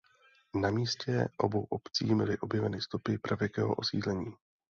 Na místě obou obcí byly objeveny stopy pravěkého osídlení.